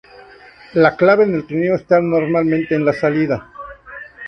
La clave en el trineo está normalmente en la salida.